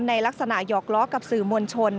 ในลักษณะหยอกล้อกับสื่อมวลชน